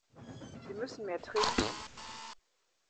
Sie müssen mehr trinken.